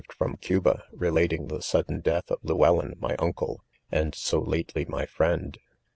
ifrOni. : :OuSa^ rejaf ing; ,tlie, .sudden .death of Lewellyiij my, uncle, and so' .lately my friend.